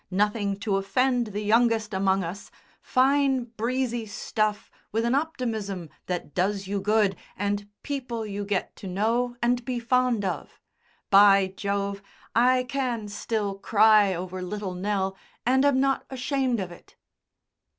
Nothing to offend the youngest among us fine breezy stuff with an optimism that does you good and people you get to know and be fond of. By Jove, I can still cry over Little Nell and am not ashamed of it."